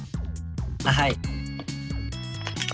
はい。